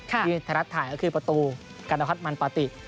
ที่ทรัศน์ถ่ายก็คือประตูกรรมภัฏมันปฏิ